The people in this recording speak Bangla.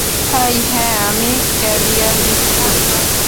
তাই, হ্যাঁ, আমি ক্যাভিয়ার মিস করি।